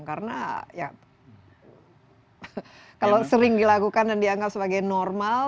karena ya kalau sering dilakukan dan dianggap sebagai normal